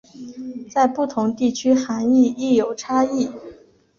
在不同地区涵义亦有差异。